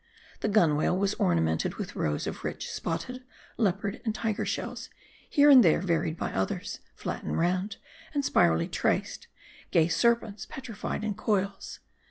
The gunwale was ornamented with rows of rich spotted Leopard and Tiger shells ; here and there, varied by others, flat and round, and spirally traced ; gay serpents petrified in coils.